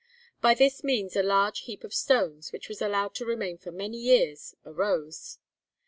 By this means a large heap of stones, which was allowed to remain for many years, arose.'